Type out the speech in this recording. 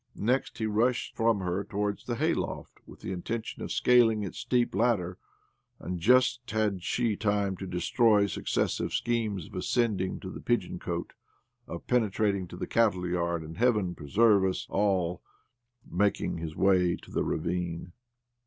Next, he rushed from her towards the hay loft, with the intention of scaling its steep ladder ; and just had she time to destroy successive schemes of ascending to the pigeon cote, of penetrating to the cattle yard, and — Heaven preserve us all I — of making his way to the ravine